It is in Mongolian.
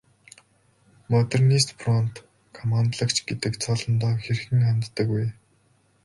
Модернист фронт командлагч гэдэг цолондоо хэрхэн ханддаг вэ?